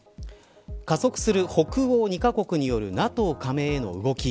加速する北欧に２カ国によるＮＡＴＯ加盟への動き。